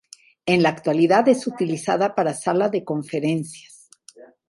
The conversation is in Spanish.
En la actualidad es utilizada para sala de conferencias.